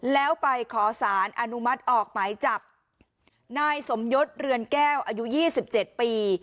แล้วไปขอสารอนุมัติออกหมายจับนายสมยศเรือนแก้วอายุยี่สิบเจ็ดปี